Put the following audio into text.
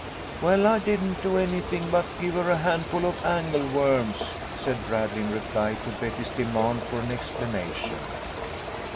" Well, I didn't do anything but give her a hand ful of angleworms," said Bradley, in reply to Betty's demand for an explanation.